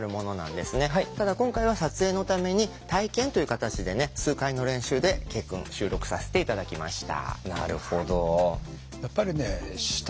ただ今回は撮影のために体験という形でね数回の練習でケイくん収録させて頂きました。